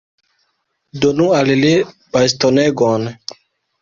Donu al li bastonegon.